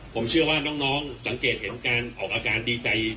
ผมเชื่อว่าน้องสังเกตเห็นการออกอาการดีใจ